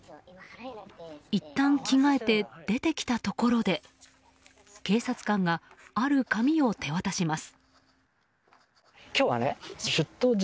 いったん着替えて出てきたところで警察官が、ある紙を手渡します。